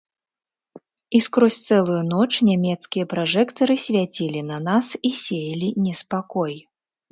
І скрозь цэлую ноч нямецкія пражэктары свяцілі на нас і сеялі неспакой.